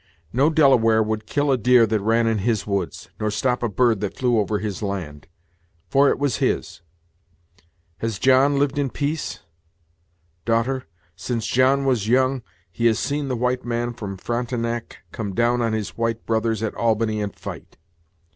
No Delaware would kill a deer that ran in his woods, nor stop a bird that flew over his land; for it was his. Has John lived in peace? Daughter, since John was young, he has seen the white man from Frontinac come down on his white brothers at Albany and fight.